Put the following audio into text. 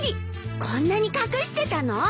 こんなに隠してたの！？